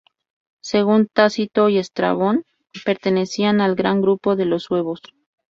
Según Tácito y Estrabón pertenecían al gran grupo de los suevos.